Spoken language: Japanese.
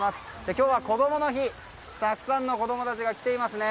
今日はこどもの日たくさんの子どもたちが来ていますね。